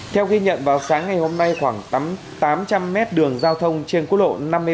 theo ghi nhận vào sáng ngày hôm nay khoảng tám trăm linh mét đường giao thông trên quốc lộ năm mươi ba